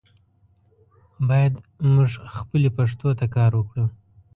باید مونږ خپلې پښتو ته کار وکړو.